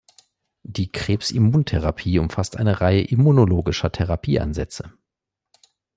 Die Krebsimmuntherapie umfasst eine Reihe immunologischer Therapieansätze.